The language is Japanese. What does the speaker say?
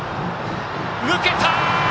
抜けた！